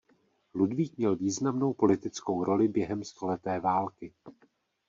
Ludvík měl významnou politickou roli během Stoleté války.